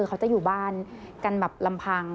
เขาจะอยู่บ้านกันแบบลำพัง